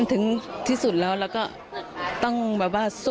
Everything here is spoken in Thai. เนื่องจากนี้ไปก็คงจะต้องเข้มแข็งเป็นเสาหลักให้กับทุกคนในครอบครัว